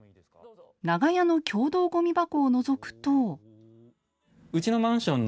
長屋の共同ごみ箱をのぞくと。